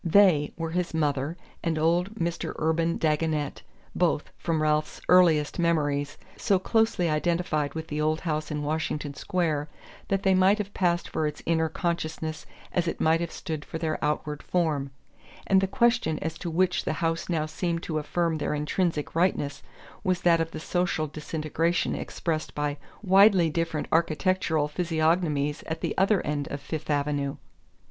"They" were his mother and old Mr. Urban Dagonet, both, from Ralph's earliest memories, so closely identified with the old house in Washington Square that they might have passed for its inner consciousness as it might have stood for their outward form; and the question as to which the house now seemed to affirm their intrinsic rightness was that of the social disintegration expressed by widely different architectural physiognomies at the other end of Fifth Avenue.